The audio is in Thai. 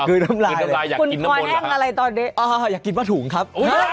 คืนน้ำลายอยากกินน้ำมนต์หรือครับ